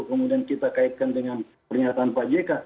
kemudian kita kaitkan dengan pernyataan pak jk